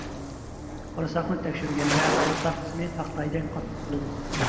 قورساقنى تەكشۈرگەندە، قورساق قىسمى تاختايدەك قاتتىق بولىدۇ.